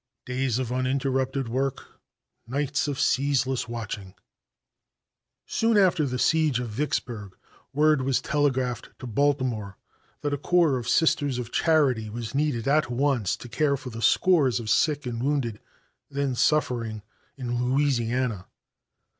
Days of uninterrupted work; nights of ceaseless watching. Soon after the siege of Vicksburg word was telegraphed to Baltimore that a corps of Sisters of Charity was needed at once to care for the scores of sick and wounded then suffering in Louisiana.